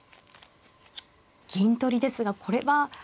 銀取りですがこれは。